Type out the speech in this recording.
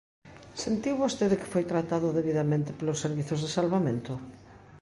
Sentiu vostede que foi tratado debidamente polos servizos de salvamento?